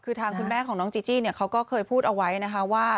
คือทางคุณแม่ของน้องจีจี้เนี่ยเขาก็เคยพูดเอาไว้นะคะว่า